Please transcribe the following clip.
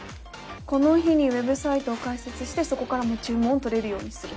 この日にウェブサイトを開設してそこからも注文を取れるようにする。